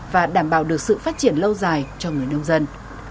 và đảm bảo được sự phát triển lâu dài cho người nông dân